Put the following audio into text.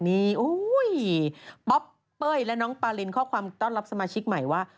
นี่ป๊อปเป้ยและน้องปารินข้อความต้อนรับสมาชิกใหม่ว่า